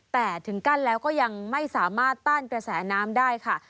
แต่ถึงกั้นแล้วก็ยังไม่สามารถต้านกระแสน้ำได้ค่ะ